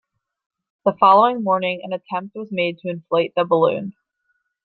The following morning an attempt was made to inflate the balloon.